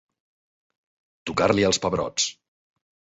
Tocar-li els pebrots.